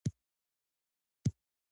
ماسوم چې ارزښت ومومي یوازې نه پاتې کېږي.